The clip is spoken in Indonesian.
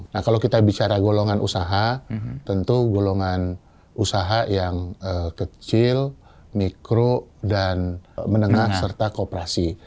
nah kalau kita bicara golongan usaha tentu golongan usaha yang kecil mikro dan menengah serta kooperasi